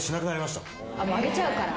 あげちゃうから？